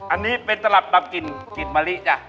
อันนี้เป็นตลับดับกลิ่นกลิ่นมะลิจ้ะ